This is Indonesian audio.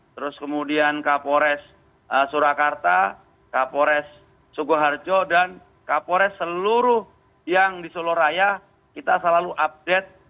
terus kemudian kapolres surakarta kapolres sukoharjo dan kapolres seluruh yang di solo raya kita selalu update